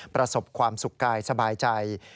ประสบความสุขกายสบายใจ